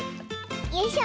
よいしょ。